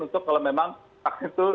untuk kalau memang vaksin itu